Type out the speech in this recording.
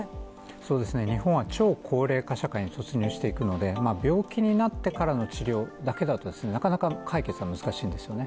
そうですね日本は超高齢化社会に突入していくので病気になってからの治療だけだとなかなか解決が難しいんですよね。